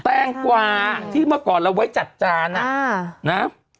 แตงกวาที่เมื่อก่อนเราไว้จัดจานอ่ะนะ